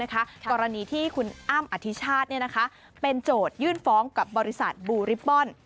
กรณีที่คุณอ้ำอธิชาติเป็นโจทยื่นฟ้องกับบริษัทบูริปบอล